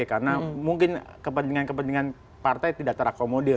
karena mungkin kepentingan kepentingan partai tidak terakomodir